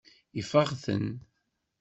Ifeɣ-ten.